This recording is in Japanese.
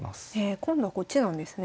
今度はこっちなんですね。